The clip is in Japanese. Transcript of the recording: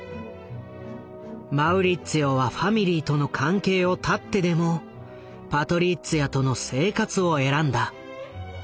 マウリッツィオはファミリーとの関係を断ってでもパトリッツィアとの生活を選んだ。